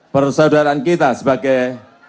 persaudaraan kita sebagai